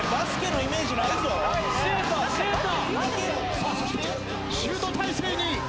さあそしてシュート体勢に。